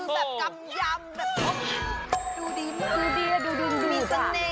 ชิคกี้พายนะใช่โอ้โฮมันมาแบบกำยำแบบพกิน